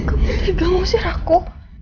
kamu tidak mau sir aku